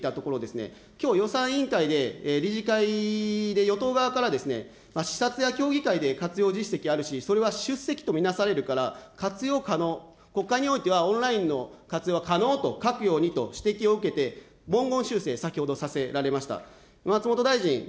このパネルがあるんですが、このパネルで、オンライン議会の国会の部分になしと書いていたところですね、きょう予算委員会で、理事会で与党側から視察や協議会で活用実績があるし、それは出席とみなされるから、活用可能、国会においてはオンラインの活用は可能と書くようにと指摘を受けて、文言修正、先ほどさせられました。